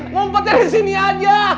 ngumpetnya disini aja